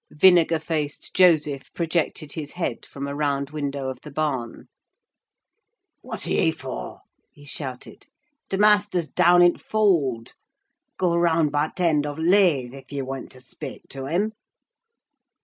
Vinegar faced Joseph projected his head from a round window of the barn. "What are ye for?" he shouted. "T' maister's down i' t' fowld. Go round by th' end o' t' laith, if ye went to spake to him."